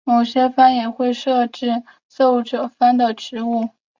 某些藩也会设置奏者番的职务。